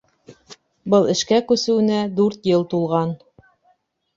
Был эшкә күсеүенә дүрт йыл тулған.